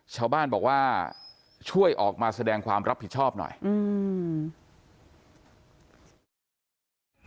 ชาวบ้านบอกว่าช่วยออกมาแสดงความรับผิดชอบหน่อยอืม